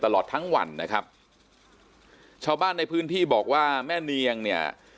ตลอดทั้งวันนะครับชาวบ้านในพื้นที่บอกว่าแม่เนียงเนี่ย